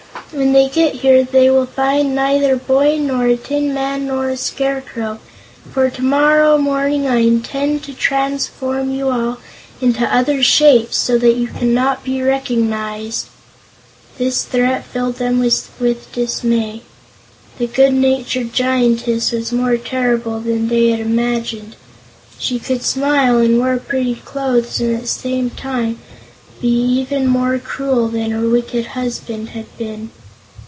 "When they get here they will find neither a boy, nor a tin man, nor a scarecrow, for tomorrow morning I intend to transform you all into other shapes, so that you cannot be recognized." This threat filled them with dismay. The good natured Giantess was more terrible than they had imagined. She could smile and wear pretty clothes and at the same time be even more cruel than her wicked husband had been.